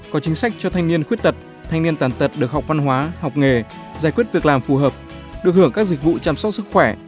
một có chính sách cho thanh niên khuyết tật thanh niên tàn tật được học văn hóa học nghề giải quyết việc làm phù hợp được hưởng các dịch vụ chăm sóc sức khỏe